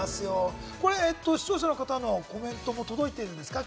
視聴者の方のコメントも届いてるんですか？